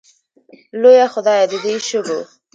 لویه خدایه د دې شګو